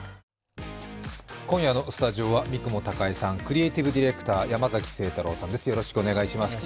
今夜のスタジオは三雲孝江さん、クリエイティブ・ディレクター山崎晴太郎さんです。